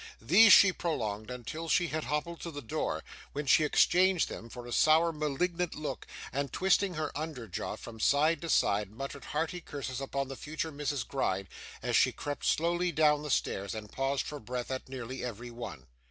These she prolonged until she had hobbled to the door, when she exchanged them for a sour malignant look, and twisting her under jaw from side to side, muttered hearty curses upon the future Mrs. Gride, as she crept slowly down the stairs, and paused for breath at nearly every one.